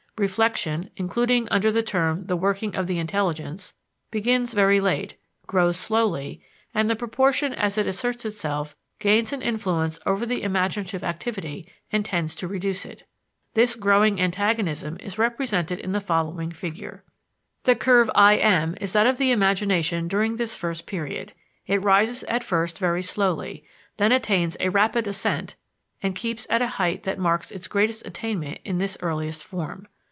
Reflection including under the term the working of the intelligence begins very late, grows slowly, and the proportion as it asserts itself, gains an influence over the imaginative activity and tends to reduce it. This growing antagonism is represented in the following figure. The curve IM is that of the imagination during this first period. It rises at first very slowly, then attains a rapid ascent and keeps at a height that marks its greatest attainment in this earliest form.